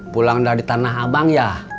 pulang dari tanah abang ya